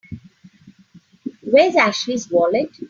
Where's Ashley's wallet?